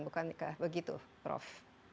bukankah begitu prof